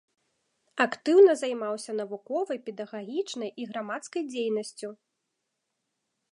Актыўна займаўся навуковай, педагагічнай і грамадскай дзейнасцю.